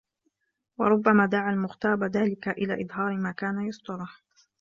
وَرُبَّمَا دَعَا الْمُغْتَابَ ذَلِكَ إلَى إظْهَارِ مَا كَانَ يَسْتُرُهُ